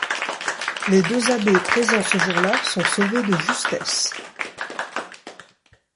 Les deux abbés présents ce jour-là sont sauvés de justesse.